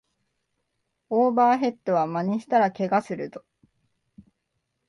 オーバーヘッドはまねしたらケガするぞ